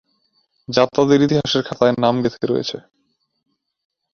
যা তাদের ইতিহাসের খাতায় নাম গেঁথে রয়েছে।